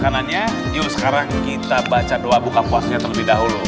kanannya yuk sekarang kita baca doa buka puasanya terlebih dahulu